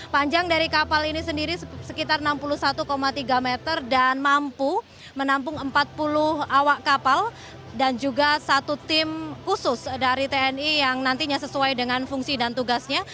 panjang dari kapal ini sendiri sekitar enam puluh satu tiga meter dan mampu menampung empat puluh awak kapal dan juga satu tim khusus dari tni yang nantinya sesuai dengan fungsi dan tugasnya